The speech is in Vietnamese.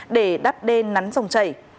để đắp đê nắn dòng chảy